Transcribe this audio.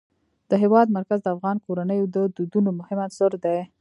د هېواد مرکز د افغان کورنیو د دودونو مهم عنصر دی.